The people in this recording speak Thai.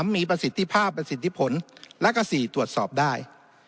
มีประสิทธิภาพประสิทธิผลและก็๔ตรวจสอบได้